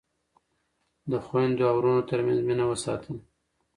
د خویندو او وروڼو ترمنځ مینه وساتئ.